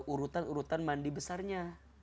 urutan urutan mandi besarnya